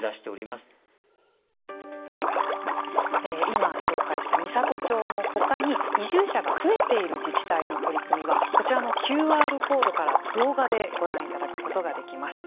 今、紹介した美郷町のほかに移住者が増えている自治体の取り組みはこちらのＱＲコードから動画でご覧いただくことができます。